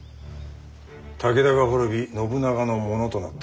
武田が滅び信長のものとなった。